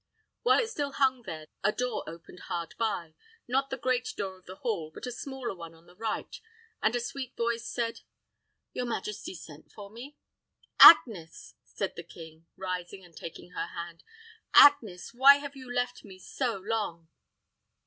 While it still hung there, a door opened hard by not the great door of the hall, but a smaller one on the right and a sweet voice said, "Your majesty sent for me." "Agnes!" said the king, rising and taking her hand, "Agnes! why have you left me so long?"